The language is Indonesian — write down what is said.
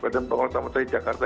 badan pengontrol pengontrol hijau